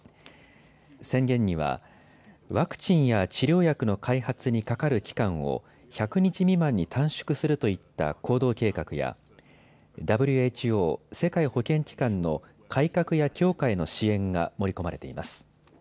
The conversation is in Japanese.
宣言にはワクチンや治療薬の開発にかかる期間を１００日未満に短縮するといった行動計画やＷＨＯ・世界保健機関の改革や強化への支援が盛り込まれています。